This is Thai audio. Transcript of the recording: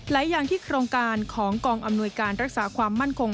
อย่างที่โครงการของกองอำนวยการรักษาความมั่นคง